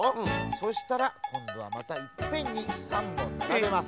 そしたらこんどはまたいっぺんに３ぼんならべます。